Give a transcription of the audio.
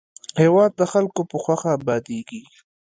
هېواد د خلکو په خوښه ابادېږي.